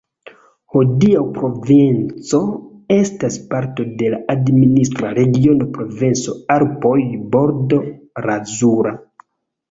Hodiaŭ Provenco estas parto de la administra regiono Provenco-Alpoj-Bordo Lazura.